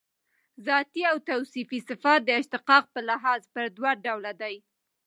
ذاتي او توصیفي صفات د اشتقاق په لحاظ پر دوه ډوله دي.